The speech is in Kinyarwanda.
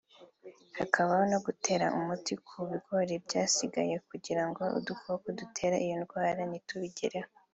hakabaho no gutera umuti ku bigori byasigaye kugira ngo udukoko dutera iyo ndwara ntitubigereho